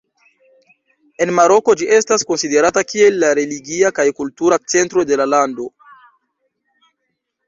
En Maroko ĝi estas konsiderata kiel la religia kaj kultura centro de la lando.